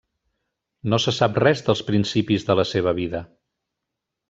No se sap res dels principis de la seva vida.